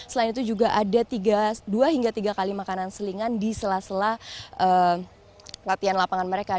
selain itu juga ada dua hingga tiga kali makanan selingan di sela sela latihan lapangan mereka